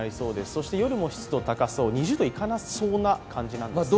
そして夜も湿度が高そう、２０度行かなそうな感じですね。